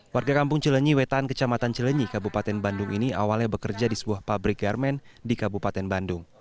warga kampung cilenyi wetan kecamatan cilenyi kabupaten bandung ini awalnya bekerja di sebuah pabrik garmen di kabupaten bandung